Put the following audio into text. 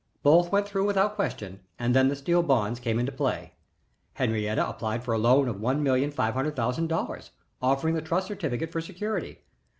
Both went through without question, and then the steel bonds came into play. Henriette applied for a loan of one million five hundred thousand dollars, offering the trust certificate for security.